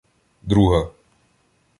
Друга